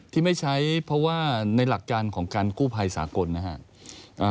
ที่ไม่ใช้เพราะว่าในหลักการของการกู้ภัยสากลนะครับ